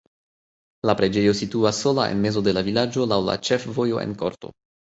La preĝejo situas sola en mezo de la vilaĝo laŭ la ĉefvojo en korto.